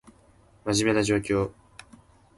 真面目な状況